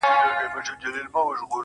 o زمـــا د رسـوايـــۍ كــيســه.